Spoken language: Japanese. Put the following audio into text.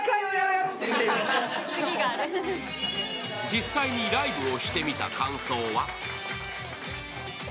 実際にライブをしてみた感想は？